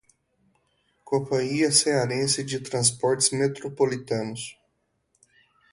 Companhia Cearense de Transportes Metropolitanos